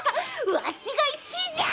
わしが１位じゃ！